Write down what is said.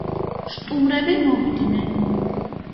სტუმრები მოვიდნენ